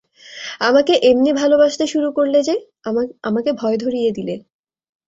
আমাকে এমনি ভালোবাসতে শুরু করলে যে, আমাকে ভয় ধরিয়ে দিলে।